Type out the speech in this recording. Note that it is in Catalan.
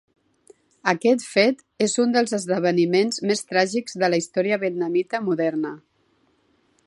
Aquest fet és un dels esdeveniments més tràgics de la història vietnamita moderna.